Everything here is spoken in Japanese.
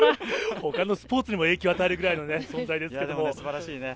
他のスポーツに影響を与えるぐらいの存在ですけど。